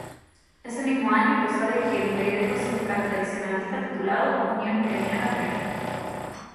Ese mismo año empezó a dirigir un periódico sindical tradicionalista titulado "Unión Gremial Obrera".